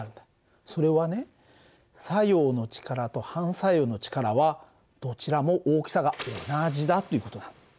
それはね作用の力と反作用の力はどちらも大きさが同じだっていう事なんだ。